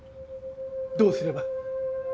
どうすれば。